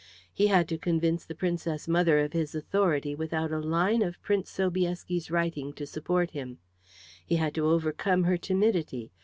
He had to convince the Princess mother of his authority without a line of Prince Sobieski's writing to support him; he had to overcome her timidity.